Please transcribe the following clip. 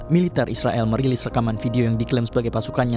militer israel merilis rekaman video yang diklaim sebagai pasukannya